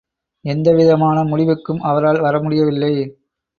எந்தவிதமான முடிவுக்கும் அவரால் வர முடியவில்லை.